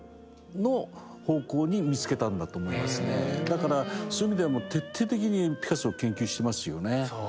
だからそういう意味では徹底的にピカソを研究してますよね。